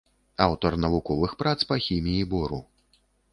Аўтар навуковых прац па хіміі бору.